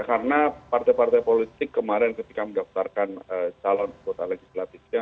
karena partai partai politik kemarin ketika menggabarkan calon kota legislatifnya